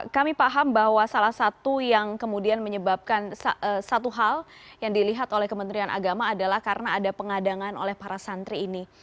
kami paham bahwa salah satu yang kemudian menyebabkan satu hal yang dilihat oleh kementerian agama adalah karena ada pengadangan oleh para santri ini